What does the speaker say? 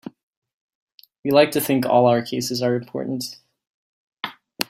We like to think all our cases are important.